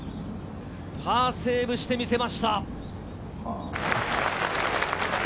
パーセーブしてみせました。